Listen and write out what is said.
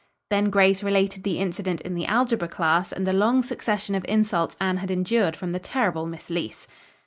Then Grace related the incident in the algebra class and the long succession of insults Anne had endured from the terrible Miss Leece.